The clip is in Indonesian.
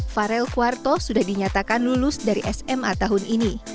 varel cuarto sudah dinyatakan lulus dari sma tahun ini